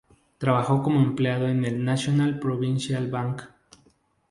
Trabajó como empleado en el National Provincial Bank.